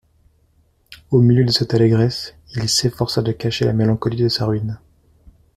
Au milieu de cette allégresse, il s'efforçait de cacher la mélancolie de sa ruine.